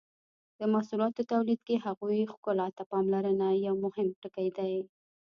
د محصولاتو تولید کې د هغوی ښکلا ته پاملرنه یو مهم ټکی دی.